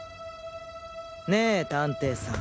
ねえ探偵さん。